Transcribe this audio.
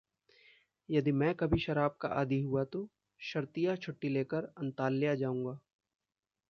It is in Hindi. यदि मैं कभी शराब का आदी हुआ तो शर्तिया छुट्टी लेकर अंताल्या जाऊंगा।